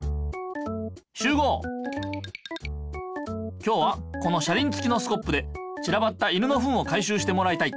今日はこの車りんつきのスコップでちらばった犬のフンを回しゅうしてもらいたい。